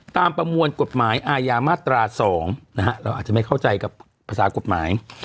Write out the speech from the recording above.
ประมวลกฎหมายอาญามาตรา๒นะฮะเราอาจจะไม่เข้าใจกับภาษากฎหมาย